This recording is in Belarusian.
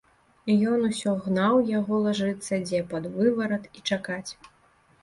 Ён усё гнаў яго лажыцца дзе пад выварат і чакаць.